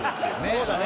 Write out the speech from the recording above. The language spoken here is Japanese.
そうだね。